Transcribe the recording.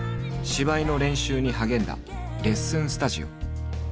芝居の練習に励んだレッスンスタジオ。